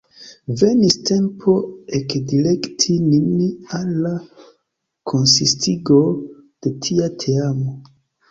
Venis tempo ekdirekti nin al la konsistigo de tia teamo.